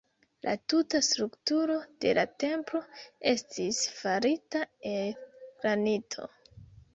La tuta strukturo de la templo estis farita el granito.